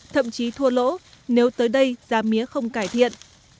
thậm chí thua lỗ nếu tới đây giá mía không cải thiện